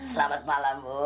selamat malam bu